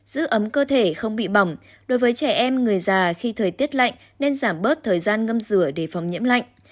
giữ ấm cơ thể không bị bỏng đối với trẻ em người già khi thời tiết lạnh nên giảm bớt thời gian ngâm rửa để phòng nhiễm lạnh